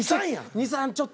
２３ちょっと。